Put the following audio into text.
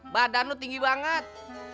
badan lo tinggi banget